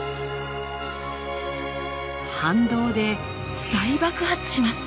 反動で大爆発します。